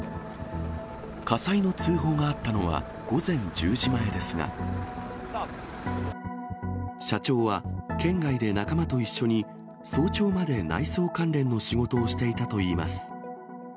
火災の通報があったのは午前１０時前ですが、社長は、県外で仲間と一緒に早朝まで内装関連の仕事をしていたといいます。